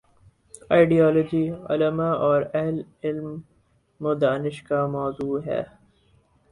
Ideology, علما اور اہل علم و دانش کا موضوع ہے۔